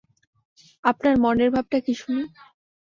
আপনার মনের ভাবটা কী শুনি।